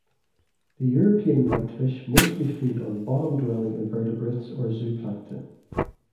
The European whitefish mostly feed on bottom-dwelling invertebrates or zooplankton.